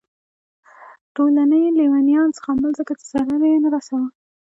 ټولنې لیونیان زغمل ځکه چې ضرر یې نه رسوه.